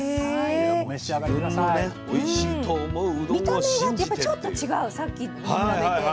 見た目がやっぱりちょっと違うさっきに比べて。